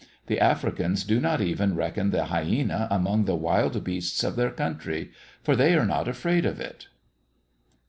The Africans do not even reckon the hyæna among the wild beasts of their country, for they are not afraid of it.